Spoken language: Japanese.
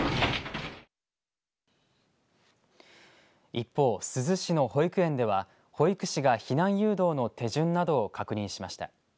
一方、珠洲市の保育園では保育士が避難誘導の手順などを確認しました。